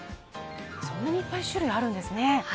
そんなに、いっぱい種類があるんですね。